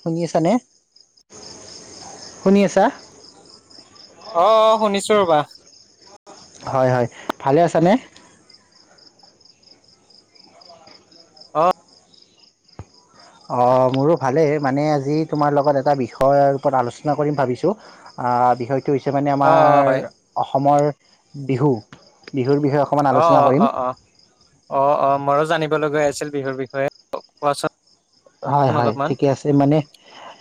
শুনি আছা নে শুনি আছা অঁ অঁ শুনিছো ৰ'বা হয় হয় ভালে আছানে অঁ অঁ মোৰো ভালেই মানে আজি তোমাৰ লগত এটা বিষয়ৰ ওপৰত আলোচনা কৰিম ভাবিছোঁ বিষটো সেইটো হৈছে মানে অ আমাৰ হয় অসমৰ বিহু বিহু অঁ অঁ অঁ অঁ অঁ অঁ মই ও জানিম লগ আছিল বিহুৰ বিষয়ে হয় হয় অলপমান ঠিকে আছে মানে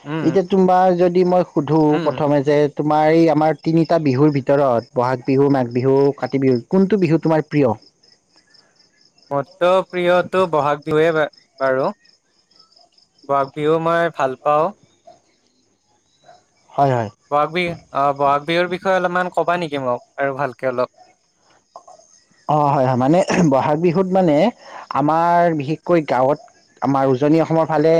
উম এতিয়া তোমাৰ যদি যদি মই সুধোঁ উম প্ৰথমে যে তোমাৰ এই আমাৰ তিনিটা বিহুৰ ভিতৰত বহাগ বিহু মাঘ বিহু কাতি বিহু কোনটো বিহু তোমাৰ প্ৰিয় মোৰ প্ৰিয়টো বহাগ বিহুৱেই বাৰু বহাগ বিহু মই ভাল পাওঁ হয় হয়। বহাগ বিহু আহঁ বহাগ বিহুৰ বিষয়ে অলপমান ক'বা নেকি মোক আৰু ভালকৈ অলপ অঁ হয় হয় মানে বহাগ বিহুত মানে আমাৰ বিশেষকৈ গাঁৱত আমাৰ উজনি অসমৰ ফালে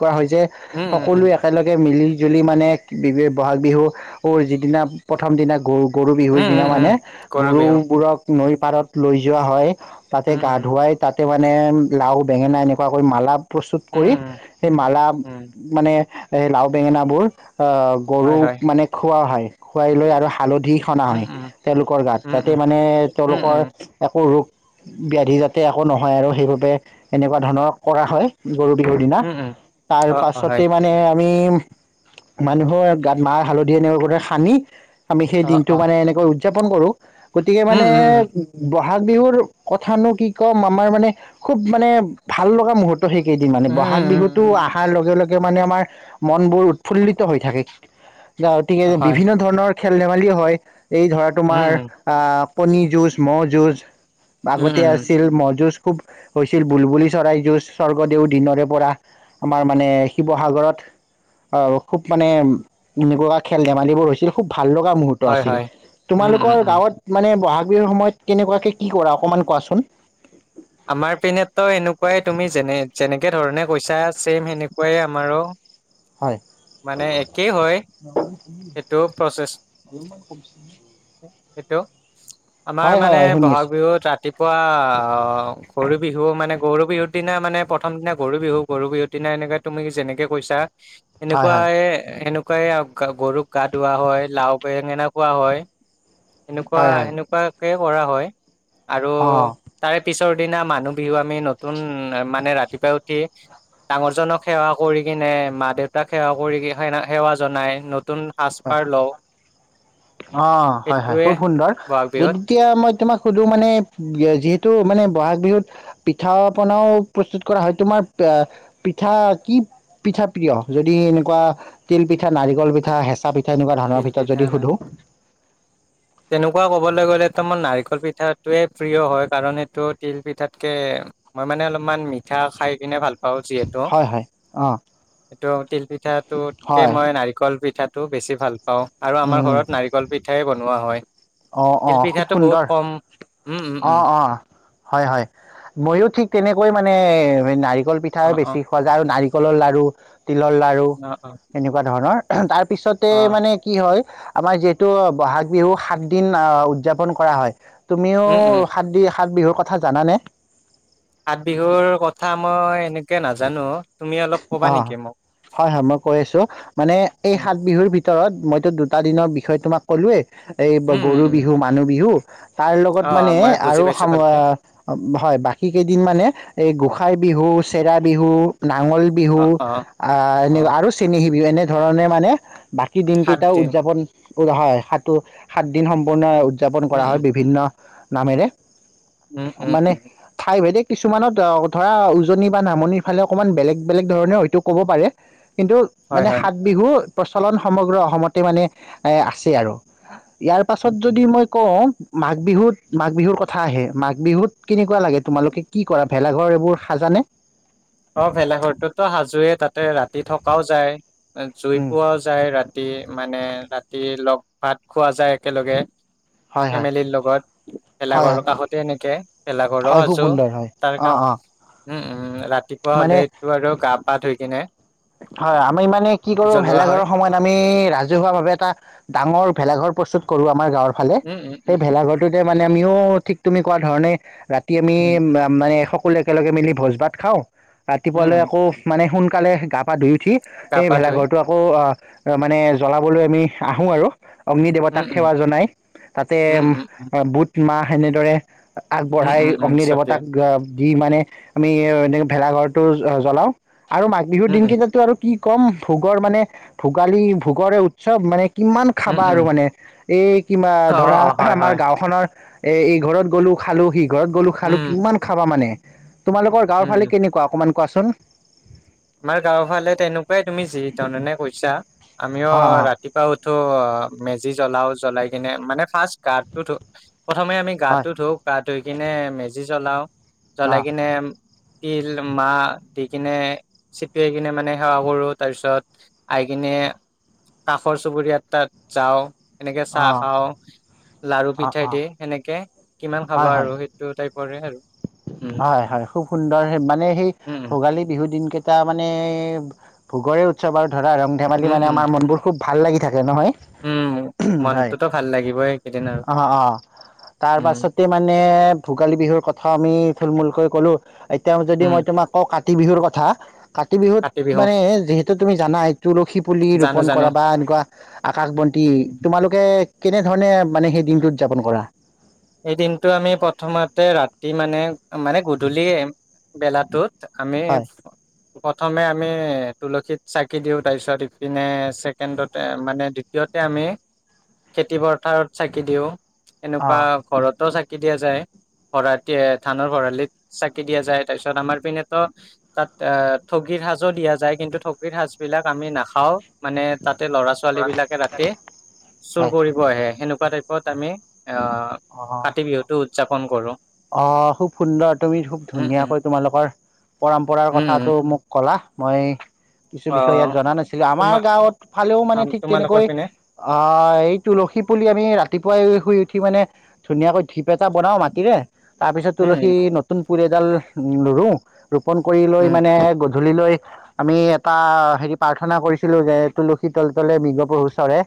কোৱা হৈছে উম উম সকলো উম একেলগে মিলি জুলি মানে বহাগ বিহুৰ যিদিনা প্ৰথম দিনা গৰু গৰু বিহুৰ উম দিনা উম উম মানে গৰু বিহু গৰুবোৰক নৈৰ পাৰত লৈ যোৱা হয় তাতে উম গা উম ধুৱাই তাত তে মানে লাওঁ বেঙেনা এনেকুৱাকৈ মালাপ প্ৰস্তুত উম কৰি উম সেই মালা উম মানে এই লাওঁ বেঙেনা বোৰ হয় গৰুক হয় মানে খুওঁৱাৰ হয় খুৱাই লৈ আৰু হালধি হনা উম হয় উম তেওঁলোকৰ গাত উম যাতে উম মানে উম উম তেওঁলোকৰ ৰোগ ব্যাধি যাতে একো নহয় আৰু সেইবাবে, এনেকুৱা ধৰণৰ কৰা হয়। গৰু বিহুৰ দিনা, উম উম তাৰ অ অ হয় পাছতে মানে। আমি মানুহৰ গাত মাহ হালধি এনেকুৱাতে সানি। আমি সেই অ দিনটো অ মানে এনেকৈ উ উদযাপন কৰো গতিকে, [unintelligible] উম উম উম বহাগ বিহুৰ কথানো কি ক'ম আমাৰ মানে খুব মানে ভাল লগা মুহূৰ্ত। সেইকেইদিন মানে উম উম বহাগবিহুটো উম আহাৰ লগে লগে। মানে আমাৰ মন বোৰ উৎফুল্লিত হৈ থাকে। উম [unintelligible] হয় বিভিন্ন ধৰণৰ খেল ধেমালি হয়। এই ধৰা উম তোমাৰ, উম আ'। কণী যুজ, ম'হ যুজ। উম, আগতে উম, আছিল ম'হ যুজ। খুব হৈছিল, বুলবুলি চৰাই যুঁজ স্বৰ্গদেউ দিনৰে পৰা আমাৰ মানে শিৱসাগৰত খুব মানে এনেকুৱা খে'ল ধেমালিবোৰ হৈছিল খুব। ভাল লগা মুহূৰ্ত হয়, আছিল। হয়। উম, উম, তোমালোকৰ উম, গাঁৱত, বহাগ বিহুৰ সময়ত কেনেকুৱাকে কি কৰা, অকমান কোৱাচোন। কুৱাই তুমি যেনে যেনেকে ধৰণে কৈছা ছেম সেনেকুৱাই আমাৰো। হয় মানে একেই হয়। এইটো প্ৰচেছ, এইটো আমাৰ হয় হয় মানে হয় শুনি বহাগ আছো বিহুত ৰাতিপুৱা আ' গৰু বিহু মানে, গৰু বিহুৰ দিনা মানে প্ৰথম দিনা গৰু বিহু, গৰু বিহুৰ দিনা এনেকৈ তুমি যেনেকৈ কৈছা। হয় এনেকুৱা হয় এ সেনেক [unintelligible] গৰুক গা ধুওৱা হয়, লাওঁ বেঙনা খুওৱা হয়। এনেকুৱা হয় হয় সেনেকুৱাই এ কৰা হয়। আৰু, তাৰে পিছত পিছৰ দিনা মানুহ বিহু আমি নতুন মানে ৰাতিপুৱাই উঠি ডাঙৰজনক সেৱা কৰি কিনে মা দেউতাক সেৱা কৰি সে সেৱা জনাই। নতুন সাজপাৰ লওঁ। অ'হয়, হয়, সেইটোৱে খুব সুন্দৰ বহাগ বিহুত যেতিয়া মই তোমাক সুধো মানে এইটো মানে বহাগ বিহুত পিঠা পনাও প্ৰস্তুত কৰা হয় তোমাৰ পিঠা কি পিঠা প্ৰিয় যদি এনেকুৱা তিল পিঠা, নাৰিকল পিঠা, হেঁচা পিঠা। তেনেকুৱা ধৰণৰ তিল ভিতৰত পিঠা যদি না সুধো। তেনেকুৱা কবলে গ'লেতো মোৰ নাৰিকল পিঠাতোৱে প্ৰিয় হয়, কাৰণ এইটো তিল পিঠাতকে, মই মানে অলপমান মিঠা খাই কিনে ভাল পাওঁ। পাওঁ যিহেতু। হয় হয় অঁ এইটো তিল পিঠটোতকে হয় মই নাৰিকল পিঠাত। টো বেছি ভাল। অ আৰু আমাৰ ঘৰত নাৰিকল পিঠাই ব। বনোৱা হয়। অ অ তিল খুব পিঠাটো বহুত সুন্দৰ কম উম উম অ উম অ হয় হয়, মইয়ো ঠিক তেনেকৈ মানে। নে নাৰি। কল অ পিঠাই অ বেছি খোৱা যায় আৰু নাৰি। কলৰ লাৰু। তিলৰ লাড়ু, অ', অ', এনেকুৱা ধৰণৰ। [unintelligible] তাৰ। পিছতে অ', মানে কি হয়। আমাৰ যিহেতু বহাগ বিহু সাত। দিন আহ উৎযাপন কৰা হয়। তুমিও উম, উম, সাত দি সাত বিহু। কথা জানানে? সাত বিহুৰ কথা, মই এনেকে নাজানো। তুমি অলপ ক'বা অ নেকি মোক? হয় হয় মই কৈ আছো মানে এই উম, সাত বিহুৰ ভি। ভিতৰত মইতো দুটা দিনৰ বিষয়ে তোমাক ক'লোৱেই। এই উম, উম, গৰু উম, বিহু, মানুহ বিহু তাৰ লগত অ', মানে মই বুজি আৰু [inaudible] পাইছো ভালকে হয় বাকী কেইদিন মানে এই গোস। সাই বিহু, চেৰা বিহু, নাঙল। বিহু অ', অ', আহ এনেকুৱা অ', আৰু চেনেহী বিহু এনে। ধৰণে মানে। বাকী সাত দিনকেইটাও দিন উৎযাপন। উ হয় সাতটো সাত। দিন সম্পূৰ্ণ উৎযাপন উম, কৰা হয় উম, বিভিন্ন। নামেৰে। উম, উম, মানে উম, ঠাই ভেদিক। কিছুমানত অ ধৰা উজনি বা নামনিৰ ফালে অকণমান বেলেগ। বেলেগ ধৰণে হয়তো ক'ব পাৰে। কিন্তু হয়, মানে হয়, সাত বিহুৰ। প্ৰচলন সমগ্ৰ অসমতে মানে এ আছে আৰু। ইয়াৰ পাছত উম, উম, যদি মই কওঁ। মাঘ বিহুত মাঘ বিহুৰ কথা আহে মাঘ বিহুত কিনি। কেনেকুৱা লাগে উম। তোমালোকে কি কৰা? ভেলাঘৰ এইবোৰ সাজানে? অ ভেলাঘৰটোতো সাজোৱে তাতে ৰাতি থকাও যায়। জুই উম পোৱাও যায় ৰাত ৰাতিয়ে মানে ৰাতি লগ ভাত খোৱা যায় একেলগে। হয় হয় ফেমিলিৰ লগত হয় ভেলাঘৰৰ হয় কাষতে এনেকে পেলাঘৰো হয় খুব সাজো সুন্দৰ হয় তাৰ অ কাষত অ উম উম ৰাত পুৱা মানে হ'লেইটো আৰু গা পা ধুই কিনে, হয় আমি মানে কি কৰো জ্বলোৱা হয়। ভেলাঘৰৰ সময়ত আমি ৰাজহুৱা ভাবে এটা ডাঙৰ ভেলাঘৰ প্ৰস্তুত কৰো আমাৰ গাঁৱৰ ফালে উম, উম, সেই উম, উম, ভেলাঘৰটোতে মানে আমি থিওওওও ঠিক তুমি কোৱা ধৰণে ৰাত তিআমি উম, মা মানে এক শক সকলে একেলগে মিলি ভোজ ভাত খাওঁ। উম, ৰাতিপুৱালৈ উম, আকৌ মানে সোন কালেহে গাপ আদি। উঠি গা সেই পা ধুই। ভেলাঘৰটো আকৌ আ অ মানে জ্বলাবলৈ আমি আহো আৰু অগ্নি উম, দেৱতাক উম, সেৱা জনাই তাতে উম, উম, উম, বুট মাহ এনেদৰে, উম, আগবঢ়াই উম, উম, অগ্নি ছটিয়াই। দেৱতাক জ্ঞ দি মানে আমিও এনে ভেলাঘৰটো জ্বলাও। আৰু মাঘ বিহুৰ উম, দিন উম, সেইাতটো আৰু কি কম ভোগৰ মানে ভোগালী ভোগৰে উৎসৱ মানে কিমান উম, খাবা উম, আৰু মানে এই কিম্বা অ', ধৰা অ', অহ্‌ হয়, আমাৰ হয়। গাঁওখনৰ এ এই ঘৰত গ'লো খালোহি। ঘৰত গ'লোঁ খালোঁ উম, কিমান খাবা মানে। তোমালোকৰ উম, গাওঁৰফালে কেনেকুৱা অকমান কোৱাচোন আমাৰ গাঁওৰ ফালে তেনেকুৱাই তুমি যি ধৰণে কৈছা। আমিও অ অ ৰাতিপুৱা উঠো অ মেজি জ্বলাও যে চলাই কিনে মানে ফাৰ্ষ্ট গাতটো ধু প্ৰথমে আমি হয় গাটো ধু গা ধুই কিনে মজ জি জ্বলাও অ জলাই কিনে তিল মা দে কিনে চিটিয়াই কিনে মানে সেৱা কৰো তাৰ পিছত আহি কিনে কাষৰ চুবুৰীয়া তাত যাওঁ সেনেকে চাহ খাও লাৰু অ পিঠা অ দি সেনেকে কিমান অ খাবা হয় আৰু সেইটো টাইপ কৰে আৰু উম হয় হয় খুব সুন্দৰ মানে সেই উম ভোগালী বিহু দিনকেই এটা মানে ভোগৰে উৎসৱ আৰু ধৰা ৰং ধেমালি উম মানে উম আমাৰ মনবোৰ খুব ভাল লাগি থাকে নহয় উম হয় মনটোতো ভাল লাগিবই এইকেইদিন আৰু অ অ তাৰ উম পাছতে মানে ভোগালী বিহুৰ কথা আমি ফুলমূলকৈ ক'লোঁ এতিয়া যদি উম মই তোমাক ক ক কাতি বিহুৰ কথা কাতি বিহুত মানে যিহেতু তুমি জানাই তুলসী পুলি জানো ৰোপন জানো কৰা বা এনেকুৱা আকাশ বন্তি উম তোমালোকে কেনে ধৰণে মানে সেই দিনটো উদযাপন কৰা এই দিনটো আমি প্ৰথমতে ৰাতি মানে মানে গধূলি বেলাটোত আমি প্ৰথমে আমি তুলসীত চাকি দিওঁ তাৰপিছত ইপিনে ছেকেণ্ডতে মানে দ্বিতীয়তে আমি খেতি পথাৰত চাকি দিওঁ এনেকুৱা হয় ঘৰতো চাকি দিয়া যায় ভৰা থানৰ ভৰালিত চাকি দিয়া যায় তাৰ পিছত আমাৰ পিনেতো তাত ঠগিৰ সাজো দিয়া যায় কিন্তু ঠগীৰ সাজ বিলাক আমি নাখাও মানে তাতে ল'ৰা ছোৱালী বিলাকে ৰাতি চুৰ হয় কৰিব আহে সেনেকুৱা পত আমি অ কাতি বিহুটো উদযাপন কৰো অ খুব সুন্দৰ তুমি খুব উম উম ধুনীয়াকৈ তোমালোকৰ পৰম্পৰাৰ উম উম কথাটো মোক কলা মই কিছু অ বিষয় ইয়াত জনা নাছিলো আমাৰ তোমাৰ গাঁৱত ফালেও মানে ঠিক তোমালোকৰ তেনেকৈ পিনে আহ এই তুলসী পুলি আমি ৰাতিপুৱাই শুই উঠি মানে ধুনীয়াকৈ ধিপ এটা বনাও মাটিৰে তাৰপিছত উম তুলসী উম নতুন। পুৰি এডাল ৰওঁ ৰোপন কৰি লৈ উম মানে ধূলি লৈ আমি এটা হেৰি প্ৰাৰ্থনা কৰিছিলো। যে তুলসী তল তলে মৃগপুৰ ওচৰে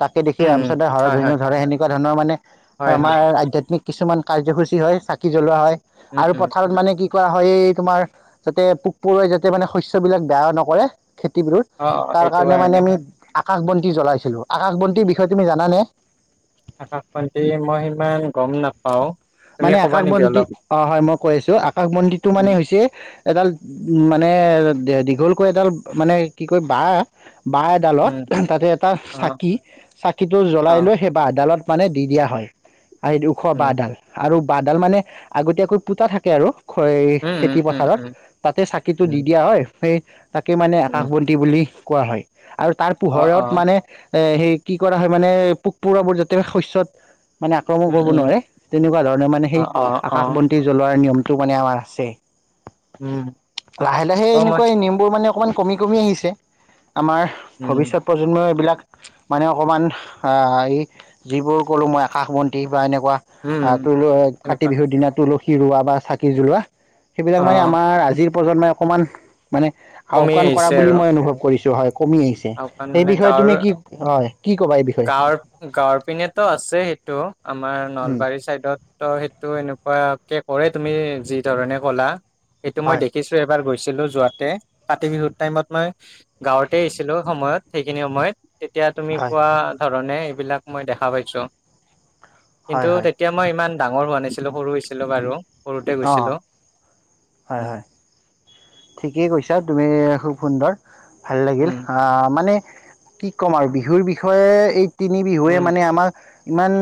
তাকে দেখি উম ৰামচন্দ্ৰ হৰ, হয় ধৈণু হয় ধৰে সেনেকুৱা ধৰণৰ মানে হয় আমাৰ হয় আধ্যাত্মিক কিছুমান কাৰ্যসূচী কি হয় চাকি জ্বলোৱা হয়। উম আৰু উম পথাৰত মানে কি কোৱা? হয় তোমাৰ যাতে পোক পৰুৱাই যাতে মানে শস্য বিলাক বেয়া নকৰে। খেতি বোৰত অ অ তাৰ সেইটো কাৰণে মানে আমি আকাশ বন্তি জ্বলাইছিলো। আকাশ বন্তিৰ বিষয়ে তুমি জানে? আকাশ বন্তি মই সিমান গম নাপাও। তুমি মানে ক'বা আকাশ নেকি বন্তি অলপ অ হয় মই কৈ আছো, আকাশ বন্তিটো মানে উম হৈছে এডাল উম মানে দীঘলকৈ এডাল মানে কি কয় বা বাঁহ এডালত উম তাতে এটা অ চাকি, চাকিটো অ জ্বলাই লৈ সেই বাঁহ এডালত মানে দি দিয়া হয় আৰু উখ ব উম দাল। আৰু বাহ ডাল মানে আগতীয়াকৈ পোতা থাকে আৰু। হয় উম খেতি উম পথাৰত উম তাতে চাকিটো দি উম দিয়া হয়। সেই। তাকে মানে উম উম আকাশবন্তি বুলি কোৱা হয়। আৰু তাৰ অ অ পোহৰত মানে এ সেই কি কৰা হয় মানে পোক পৰুৱাবোৰ যাতে শস্যত মানে আক্ৰমণ উম কৰিব উম নোৱাৰে। তেনেকুৱা ধৰণৰ মানে অ সেই অ অ আকাশ বন্তি জ্বলোৱা নিয়মটো মানে আমাৰ আছে। উম লাহে লাহে অ মই এনেকুৱা এই নিমবোৰ মানে অকমান কমি কমি আহিছে। আমাৰ উম ভৱিষ্যত প্ৰজন্মৰ এইবিলাক মানে অকণমান এই যিবোৰ কলো মই আকাশ বন্তি বা এনেকুৱা। উম তুল কাতি এনেকুৱা বিহুৰ দিনা তুল। কি ৰোৱা বা চাকি জ্বলোৱা। সেইবিলাক অ মানে আমাৰ আজিৰ প্ৰজন্ম সমকমান মানে আওকাণ কৰা বুলি মই অনুভৱ কৰিছো য হয়ে অকণ মানে গাঁৱৰ হয় কি ক'বা এই বিষয়ে গাঁৱৰ গাঁৱৰ পিনেতো আছে সেইটো আমাৰ উম, নলবাৰী চাইদত ত' সেইটো এনেকুৱাকে কৰে তুমি যি ধৰণে কলা সেইটো মই হয় দেখিছো এবাৰ গৈছ ছিলো যোৱাতে কাতি বিহুত টাইমত মই গাঁৱতে আহছিলো ছিলো সময়ত সেইখিনি সময়ত তেতিয়া তুমি হয় কোৱা ধৰ ণে এইবিলাক মই দেখা পাইছোঁ কিন্তু হয় হয় তেতিয়া মই ইমান ডাঙৰ হোৱানিছিলো সৰু হৈছিলো বাৰু সৰুতে অঁ গৈছিলো হয় উ হয় ঠিকেই কৈছা তুমি খুব সুন্দৰ ভাল লাগিল উম আহ মানে কি ক'ম আৰু বিহুৰ বিষয়ে এই তিনি বিহুৱে উম মানে আমাক ইমান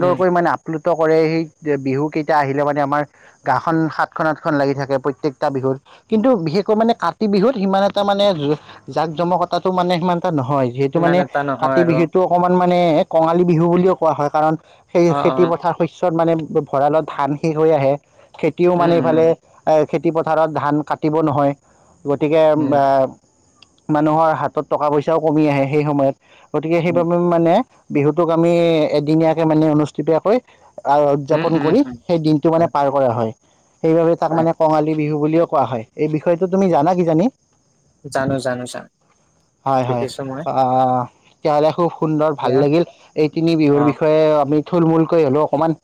উম ইানে আপলোড কৰে সেই বিহু কেইটা আহিলে মানে আমাৰ গাখন সাতখন আঠখন লাগি থাকে প্ৰত্যেকটা বিহুত কিন্তু বিশেষকৈ মানে কা কাতি বিহুত সিমান এটা মানে জাক জমকতাটো মানেিমান নহয় যিহেতু ইমান মানে এটা নহয় কাতি আৰু বিহুটো অকনমান মানে কঙালী বিহু বুলিও কোৱা হয় কাৰণ সেই অ অ খেতি পথাৰ শস্যত মানে ভঁৰালত ধান শেষ হৈ আহে খেতিও উম মানে এইফালে উম এ খেতিপথাৰত ধান কাট পতিব নহয় গতিকে উম মানুহৰ হাতত টকা পইচাও কমি আহে সেই সময়ত গতিকে উম সেইবাবে মানে বিহুটোক আমি এদিনীয়াকে মানে অনুষ্ঠিতীয়াকৈ উম উদযাপন উম কৰি উম সেই দিনটো মানে হয় পাৰ কৰা হয়। সেইবাবে তাক হয় মানে কঙালী বিহু বুলিও কোৱা হয়। এই বিষয়টো তুমি জানা কিজানি? জানো জানো জানো হয় হয় দেখিছো মই। আহ [unintelligible] সুন্দৰ ভাল এতিয়া লাগিল এই তিনি অ বিহুৰ বিষয়ে আমি, থুলমূলকৈ হলেও অকণমান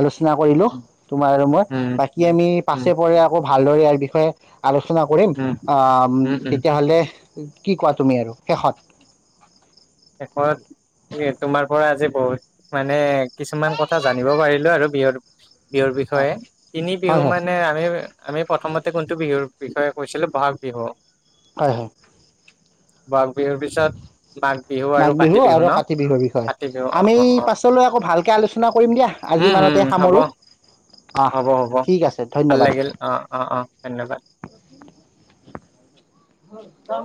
আলোচনা। কৰিলোঁ উম তোমাৰ আৰু মই উম বাকী আমি পাছে পৰে আকৌ ভাল। ভালদৰে ইয়াৰ বিষয়ে। আলোচনা কৰিম উম আ উম উম তেতিয়াহ'লে, কি কোৱা তুমি আৰু শেষত। শেষত তোমাৰ পৰা আজি। বহুত মানে কিছুমান কথা জানিব পাৰিলো আৰু বিহুৰ, বিহুৰ অঁ বিষয়ে তিনি হয় বিহু হয় মানে আমি আমি প্ৰথমতে কোনটো বিহুৰ, বিষয়ে কৈছিলে বাহাগ বিহু, হয় হয়। ব'হাগ বিহুৰ পিছত। মাঘ বিহু আৰু মাঘ কাতি বিহু আৰু ন কাতি বিহুৰ কাতি বিষয়ে বিহু অ আমি অ অ পাছলৈ আকৌ ভালকৈ আলোচনা কৰিম দিয়া আজি উম উম ইমানতে হ'ব সামৰো অ হ'ব হ'ব ঠিক আছে ভাল ধন্যবাদ। লাগিল অ অ অ ধন্যবাদ অ,